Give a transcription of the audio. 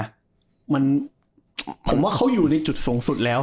มันผมว่าเขาอยู่ในจุดสูงสุดแล้ว